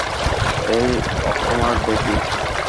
এই অকর্মার ঢেঁকি!